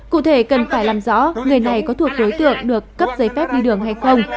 cụ thể cần phải làm rõ người này có thuộc đối tượng được cấp giấy phép đi đường hay không